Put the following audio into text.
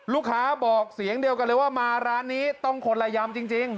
ลูกค้าบอกเสียงเดียวกันเลยว่ามาร้านนี้ต้องคนละยำจริง